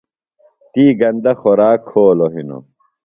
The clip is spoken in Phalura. نی گندہ خوراک کھولوۡ ہِنوۡ۔